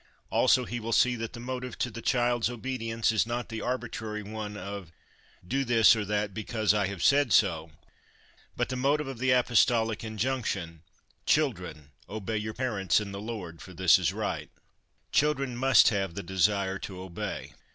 Also, he will see that the motive to the child's obedience is not the arbitrary one of, ' Do this, or that, because I have said so,' but the motive of the apostolic injunction, " Children, obey your parents in the Lord, for this is right'' Children must have the Desire to Obey.